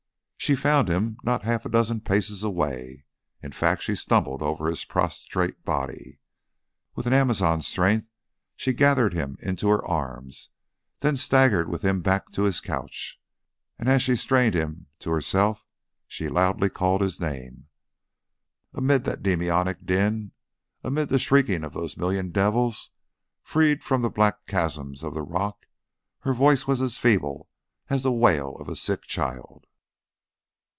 She found him not half a dozen paces away. In fact, she stumbled over his prostrate body. With an amazon's strength, she gathered him into her arms, then staggered with him back to his couch, and as she strained him to herself she loudly called his name. Amid that demoniac din, amid the shrieking of those million devils, freed from the black chasms of the rock, her voice was as feeble as the wail of a sick child.